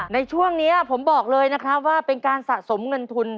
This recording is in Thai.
ในช่วงนี้ผมบอกเลยนะครับว่าเป็นการสะสมเงินทุน